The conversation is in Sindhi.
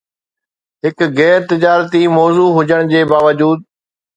هڪ غير تجارتي موضوع هجڻ جي باوجود